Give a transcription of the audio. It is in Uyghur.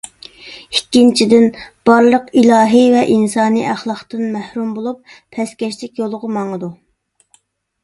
ئىككىنچىدىن، بارلىق ئىلاھىي ۋە ئىنسانىي ئەخلاقتىن مەھرۇم بولۇپ، پەسكەشلىك يولىغا ماڭىدۇ.